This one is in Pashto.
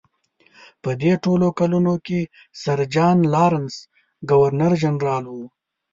په دې ټولو کلونو کې سر جان لارنس ګورنر جنرال و.